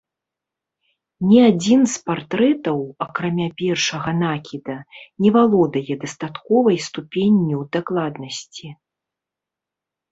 Ні адзін з партрэтаў, акрамя першага накіда, не валодае дастатковай ступенню дакладнасці.